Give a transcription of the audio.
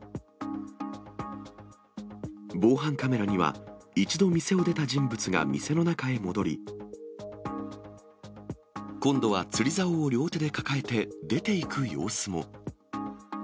防犯カメラには、一度店を出た人物が店の中へ戻り、今度は釣りざおを両手で抱えて出ていく様子も。